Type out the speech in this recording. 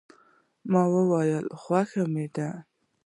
ما وویل، خوښه مې ده.